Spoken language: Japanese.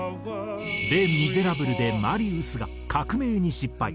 『レ・ミゼラブル』でマリウスが革命に失敗。